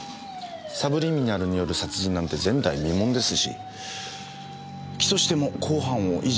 サブリミナルによる殺人なんて前代未聞ですし起訴しても公判を維持できるかどうか。